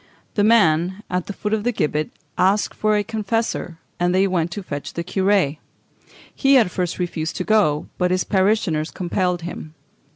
The man, at the foot of the gibbet, asked for a confessor, and they went to fetch the curé. He, at first, refused to go, but his parishioners compelled him.